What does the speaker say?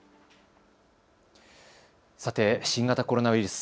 さて、新型コロナウイルス。